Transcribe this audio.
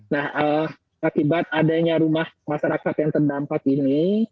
nah akibat adanya rumah masyarakat yang terdampak ini